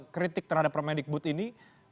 kritik terhadap pramedikbud ini